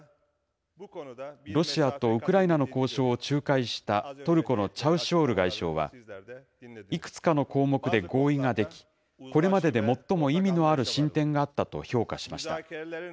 ロシアとウクライナの交渉を仲介したトルコのチャウシュオール外相は、いくつかの項目で合意ができ、これまでで最も意味のある進展があったと評価しました。